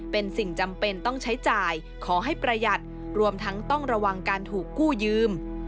เป็นสิ่งจำเป็นต้องใช้จ่ายขอให้ประหยัดรวมทั้งต้องระวังการถูกกู้ยืม